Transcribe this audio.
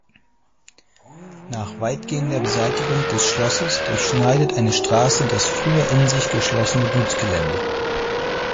Nach weitgehender Beseitigung des Schlosses durchschneidet eine Straße das früher in sich geschlossene Gutsgelände.